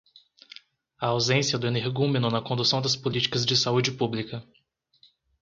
A ausência do energúmeno na condução das políticas de saúde pública